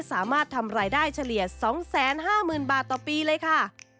สามารถทำรายได้เฉลี่ย๒๕๐๐๐บาทต่อปีเลยค่ะ